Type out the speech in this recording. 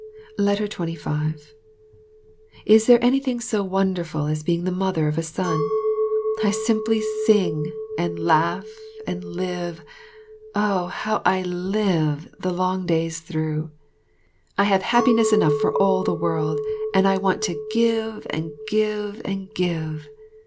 25 Is there anything so wonderful as being the mother of a son? I simply sing, and laugh, and live oh, how I live the long days through. I have happiness enough for all the world, and I want to give and give and give.